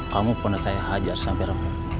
kamu pernah saya hajar sampai rambut